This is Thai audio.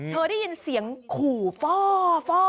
เธอได้ยินเสียงขู่ฟ่อฟ่อ